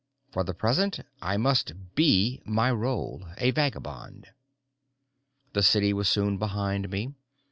For the present, I must be my role, a vagabond. The city was soon behind me.